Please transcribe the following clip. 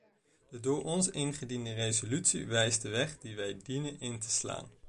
De door ons ingediende resolutie wijst de weg die wij dienen in te slaan.